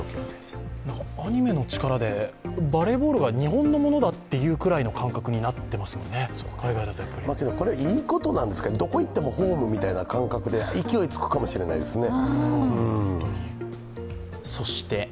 アニメの力でバレーボールが日本のものだっていうぐらいの感覚になっていますよね、海外だとこれはいいことなんですけど、どこ行ってもホームみたいな感覚で勢いつくかもしれないですね。